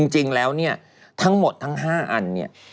จริงแล้วทั้งหมดทั้ง๕อันนี้